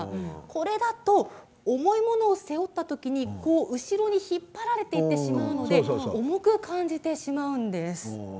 これだと重いものを背負ったときに後ろに引っ張られていってしまうので重く感じてしまうんです。